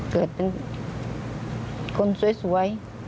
เกิดเป็นคนสวย